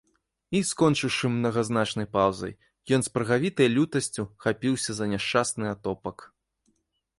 І, скончыўшы мнагазначнай паўзай, ён з прагавітай лютасцю хапіўся за няшчасны атопак.